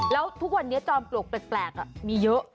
แล้วทุกวันนี้จอมปลวกแปลกมีเยอะ